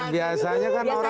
biasanya kan orang mesra